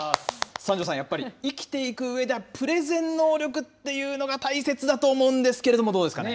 三條さん、やっぱり生きていくうえでは、プレゼン能力っていうのが、大切だと思うんですけれども、どうですかね。